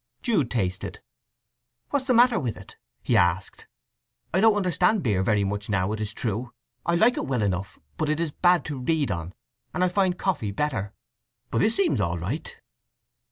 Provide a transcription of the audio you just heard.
Jude tasted. "What's the matter with it?" he asked. "I don't understand beer very much now, it is true. I like it well enough, but it is bad to read on, and I find coffee better. But this seems all right."